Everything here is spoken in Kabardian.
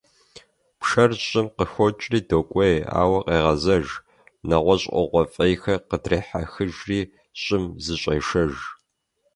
Пшэр щӀым къыхокӀри докӀуей, ауэ къегъэзэж, нэгъуэщӀ Ӏугъуэ фӀейхэр къыздрехьэхыжри, щӀым зыщӀешэж.